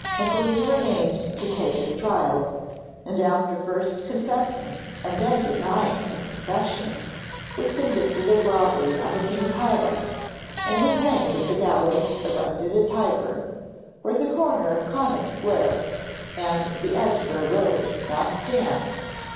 Maclean remained to take his trial, and after first confessing and then denying his confession, was convicted of robbery on the King's highway, and was hanged at the gallows erected at Tyburn, where the corner of Connaught Square and the Edgware Road now stand.